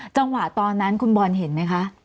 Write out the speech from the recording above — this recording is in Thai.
จังหวะตอนนั้นคุณบอลเห็นไหมคะ